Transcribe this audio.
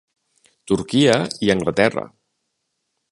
Turquia i Anglaterra.